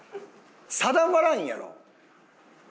定まらんやろ？